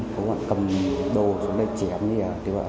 có bọn cầm đồ xuống đây chém như thế nào